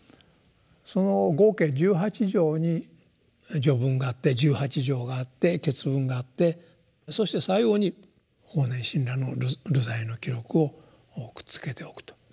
その合計十八条に「序文」があって十八条があって「結文」があってそして最後に法然親鸞の「流罪の記録」をくっつけておくと。